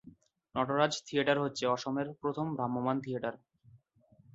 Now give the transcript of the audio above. Nataraj theatre হচ্ছে অসমের প্রথম ভ্রাম্যমাণ থিয়েটার।